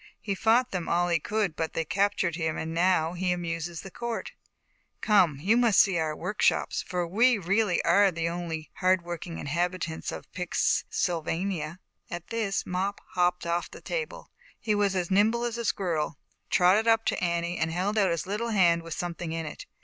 He fought them all he could, but they captured him and now he amuses the court." "Come, you must see our workshops, are really the only hard working ZAUBERLINDA, THE WISE WITCH. 165 inhabitants of Pix Sylvania." At this, Mop hopped off the table, he was as nimble as a squirrel, trotted up to An nie, and held out his little hand with something in it.